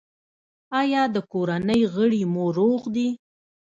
ایا د کورنۍ غړي مو روغ دي؟